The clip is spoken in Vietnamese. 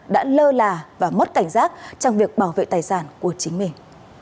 đã lơ là và mất cảnh giác trong việc bảo vệ tài sản của chính mình